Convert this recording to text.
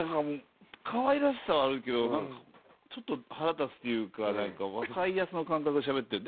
かわいらしさはあるけどなんかちょっと腹立つっていうか若いヤツの感覚でしゃべってる。